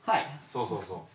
そうそうそう。